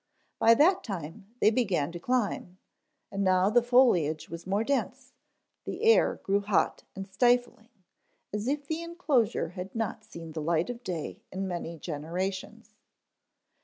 By that time they began to climb, and now the foliage was more dense, the air grew hot and stifling, as if the enclosure had not seen the light of day in many generations.